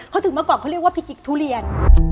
เขาถึงเมื่อก่อนเขาเรียกว่าพี่กิ๊กทุเรียน